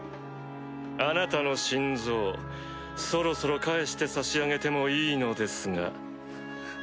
あなたの心臓そろそろ返してさしあげてもいいのですが。